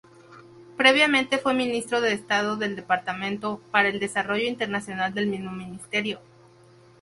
Previamente, fue Ministro de Estado del Departamento para el Desarrollo Internacional del mismo Ministerio.